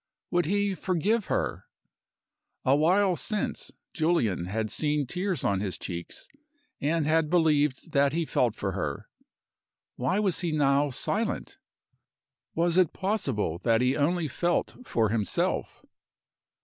Would he forgive her? A while since Julian had seen tears on his cheeks, and had believed that he felt for her. Why was he now silent? Was it possible that he only felt for himself?